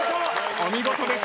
お見事でした。